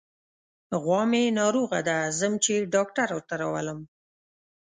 غوا مې ناروغه ده، ځم چې ډاکټر ورته راولم.